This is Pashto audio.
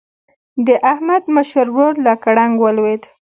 د احمد مشر ورور له ګړنګ ولوېد.